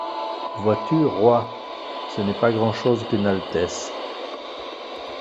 Vois-tu, roi, ce n'est pas grand'chose qu'une altesse.